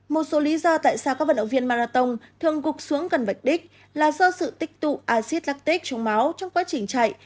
một số lý do tại sao các vận động viên marathon thường gục xuống cần vạch đích là do sự tích tụ acid lactic trong máu trong quá trình chạy